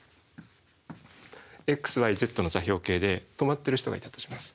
ｘｙｚの座標系で止まってる人がいたとします。